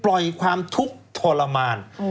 ปลดปล่อยความทุกข์ทรมาน